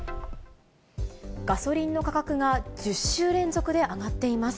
ガソリンの価格が１０週連続で上がっています。